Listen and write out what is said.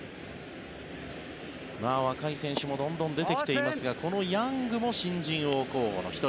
若い選手もどんどん出てきていますがこのヤングも新人王候補の１人。